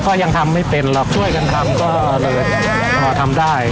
ก็ยังทำไม่เป็นหรอกช่วยกันทำก็เลยทำได้